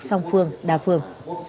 song phương đa phương